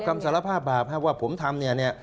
คำสารภาพบาปว่าผมทำเนี่ยเนี่ย